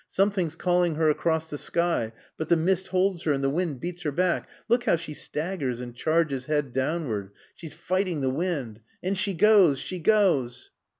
Something's calling her across the sky, but the mist holds her and the wind beats her back look how she staggers and charges head downward. She's fighting the wind. And she goes she goes!"